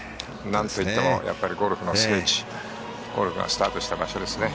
なんといってもゴルフの聖地ゴルフがスタートした場所ですね。